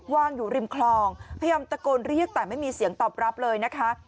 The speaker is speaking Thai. วางอยู่ริมคลองพยายามตะโกนเรียกแต่ไม่มีเสียงตอบรับเลยนะคะ